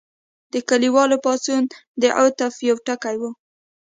د کلیوالو پاڅون د عطف یو ټکی و.